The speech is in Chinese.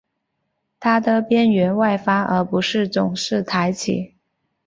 它的边缘外翻而不是总是抬起。